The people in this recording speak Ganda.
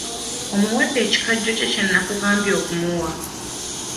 Omuwadde ekikajjo kye nnakugambye okumuwa?